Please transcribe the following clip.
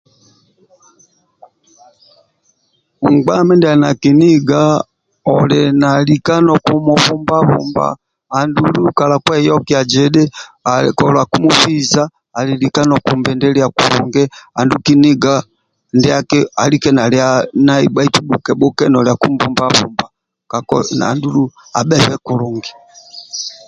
Nkpa mindia ali na kiniga oli nalika nokumbubabumba andulu kalakieyokia zidhi kola kumubihiza ali lika nokumbindilia kulungi andulu kiniga ndiaki kala nai bhuke bhuke bhuke nolia kumbubabumba kako andulu abhebe kulungi